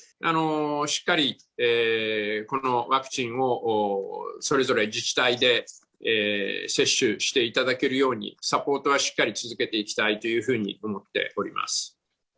しっかりこのワクチンをそれぞれ、自治体で接種していただけるように、サポートはしっかり続けていきたいというふうに思っております。